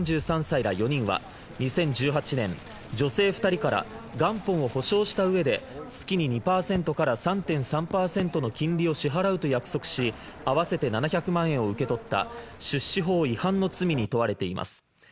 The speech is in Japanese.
３３歳ら４人は２０１８年女性二人から元本を保証したうえで月に２％から３．３％の金利を支払うと約束し合わせて７００万円を受け取った出資法違反の罪に問われています